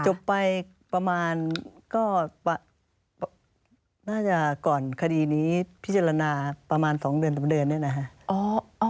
จบไปประมาณก็น่าจะก่อนคดีนี้พิจารณาประมาณ๒เดือน๓เดือนเนี่ยนะฮะ